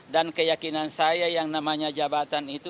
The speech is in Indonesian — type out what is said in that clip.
dan keyakinan saya yang namanya jabatan itu